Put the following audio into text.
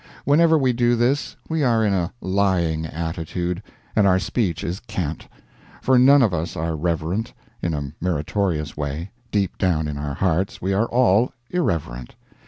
Whenever we do this we are in a lying attitude, and our speech is cant; for none of us are reverent in a meritorious way; deep down in our hearts we are all irreverent.